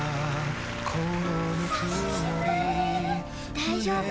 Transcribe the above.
大丈夫。